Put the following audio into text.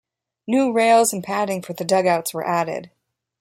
New rails and padding for the dugouts were added.